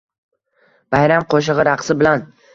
Bayram qo’shig’i raqsi bilan